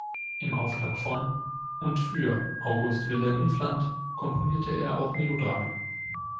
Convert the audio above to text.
Im Auftrag von und für August Wilhelm Iffland komponierte er auch Melodramen.